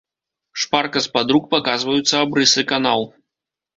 Шпарка з-пад рук паказваюцца абрысы канаў.